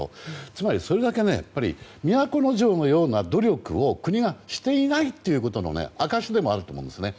つまり、それだけ都城のような努力を国がしていないということの証しでもあると思うんですね。